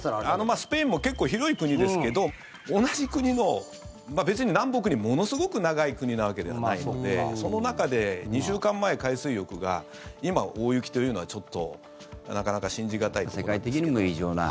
スペインも結構広い国ですが同じ国の別に南北に、ものすごく長い国なわけではないのでその中で２週間前、海水浴が今、大雪というのは世界的に異常な。